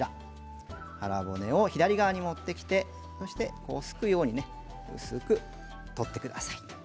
腹骨を左側に持ってきてすくように薄く取ってください。